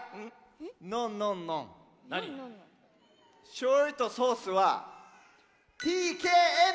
しょうゆとソースはＴＫＮ。